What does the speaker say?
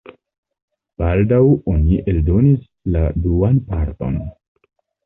Baldaŭ oni eldonis la duan parton.